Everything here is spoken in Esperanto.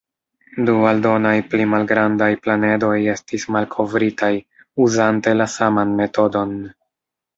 Du aldonaj pli malgrandaj planedoj estis malkovritaj uzante la saman metodon.